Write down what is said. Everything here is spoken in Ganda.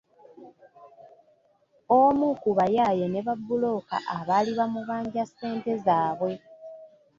Omu ku bayaaye ne babulooka abaali bamubanja ssente zaabwe.